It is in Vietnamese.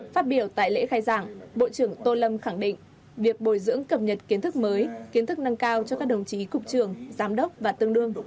phát biểu tại lễ khai giảng bộ trưởng tô lâm khẳng định việc bồi dưỡng cập nhật kiến thức mới kiến thức nâng cao cho các đồng chí cục trưởng giám đốc và tương đương